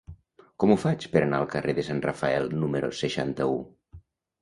Com ho faig per anar al carrer de Sant Rafael número seixanta-u?